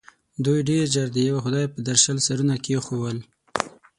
دوی ډېر ژر د یوه خدای پر درشل سرونه کېښول.